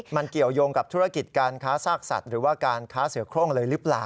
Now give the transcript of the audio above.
มันเกี่ยวยงกับธุรกิจการค้าซากสัตว์หรือว่าการค้าเสือโครงเลยหรือเปล่า